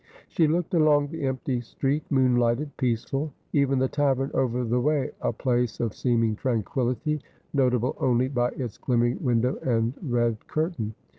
She looked along the empty street, moonlighted, peaceful ; even the tavern over the way a place of seeming tranquillity, notable only by its glimmer ing window and red curtain.